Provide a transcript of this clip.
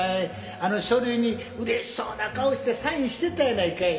あの書類にうれしそうな顔してサインしてたやないかい。